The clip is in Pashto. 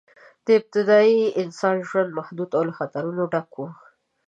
د ابتدایي انسانانو ژوند محدود او له خطرونو ډک و.